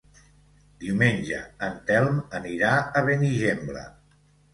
Diumenge en Telm anirà a Benigembla.